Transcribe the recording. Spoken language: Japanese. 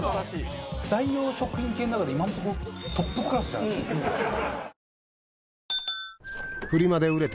代用食品系の中で今のところトップクラスじゃないですか？